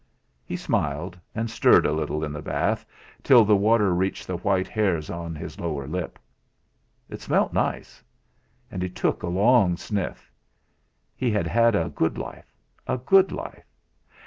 He smiled and stirred a little in the bath till the water reached the white hairs on his lower lip. It smelt nice! And he took a long sniff: He had had a good life, a good life!